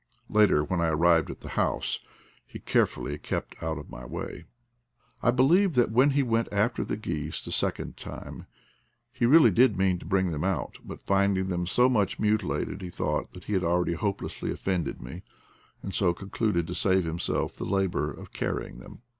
Later, when I arrived at the house, he carefully kept out of my way. I believe that when he went after the geese the second time he really did mean to bring them out, but finding them so much mutilated he thought A DOG IN EXILE 71 that he had already hopelessly offended me, and so concluded to save himself the labor of carrying them.